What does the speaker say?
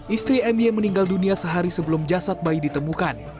istri my meninggal dunia sehari sebelum jasad bayi ditemukan